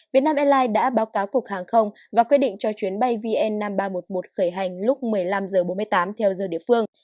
việt nam airlines đã báo cáo cục hàng không và quyết định cho chuyến bay vn năm nghìn ba trăm một mươi một khởi hành lúc một mươi năm h bốn mươi tám theo giờ địa phương